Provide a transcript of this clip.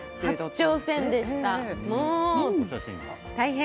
初挑戦でした。